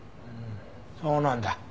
そうなんだ。